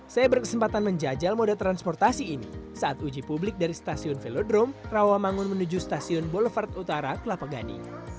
saya berkesempatan menjajal moda transportasi ini saat uji publik dari stasiun velodrome rawamangun menuju stasiun boulevard utara kelapa gading